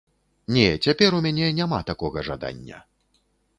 Не, цяпер у мяне няма такога жадання.